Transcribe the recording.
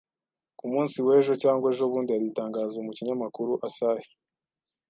Ku munsi w'ejo cyangwa ejobundi hari itangazo mu kinyamakuru Asahi